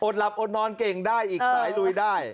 หลับอดนอนเก่งได้อีกสายลุยได้